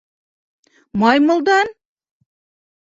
Маймылдан?